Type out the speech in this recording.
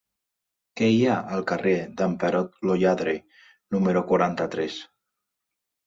Què hi ha al carrer d'en Perot lo Lladre número quaranta-tres?